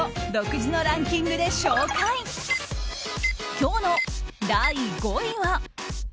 今日の第５位は。